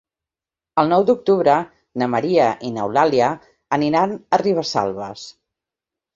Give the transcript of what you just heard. El nou d'octubre na Maria i n'Eulàlia aniran a Ribesalbes.